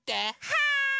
はい！